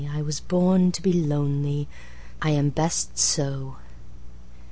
I was born to be lonely, I am best so!"